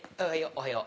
・おはよう。